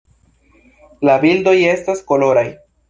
La bildoj estas koloraj.